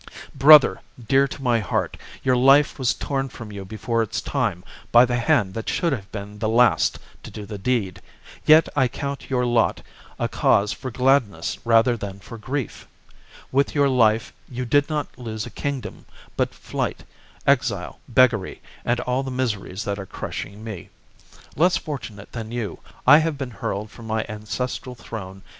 " Brother, dear to my heart, your life was torn from you before its time by the hand that should have been the last to do the deed, yet I count your lot a cause for gladness rather than for grief With your life you did not lose a kingdom but flight, exile, beggary, and all the miseries that are crushing me. Less fortunate THE JUGURTHINE WAR. 1 39 than you, I have been hurled from my ancestral throne chap.